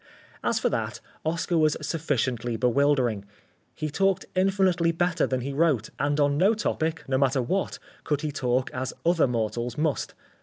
As for that, Oscar was sufficiently bewildering. He talked infinitely better than he wrote, and on no topic, no matter what, could he talk as other mortals must.